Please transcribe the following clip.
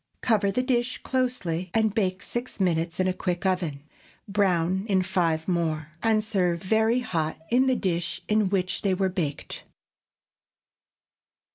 Cover the dish closely and bake six minutes in a quick oven; brown in five more, and serve very hot in the dish in which they were baked.